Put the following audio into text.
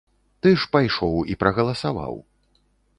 Ты ж пайшоў і прагаласаваў.